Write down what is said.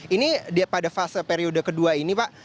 ini pada fase periode kedua ini pak